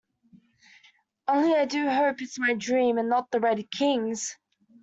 Only I do hope it’s my dream, and not the Red King’s!